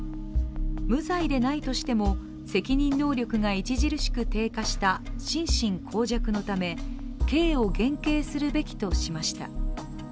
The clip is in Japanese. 無罪でないとしても、責任能力が著しく低下した心神耗弱のため刑を減軽するべきとしました。